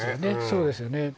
そうですよね